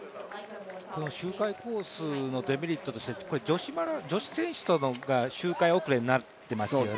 周回コースのデメリットとして、女子選手が周回遅れになっていますよね。